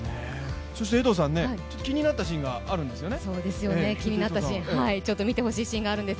そして江藤さん、気になったシーンがあるんですよね。